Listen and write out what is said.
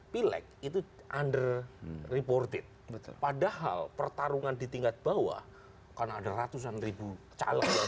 pileg itu under reported padahal pertarungan di tingkat bawah karena ada ratusan ribu calon yang